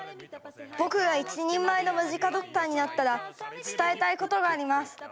僕が一人前のムジカ・ドクターになったら伝えたいことがあります。